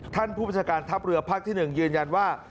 ผู้บัญชาการทัพเรือภาคที่๑ยืนยันว่า